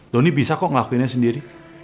doni bisa kok ngelakuinnya sendiri